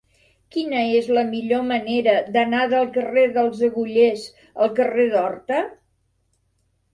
Quina és la millor manera d'anar del carrer dels Agullers al carrer d'Horta?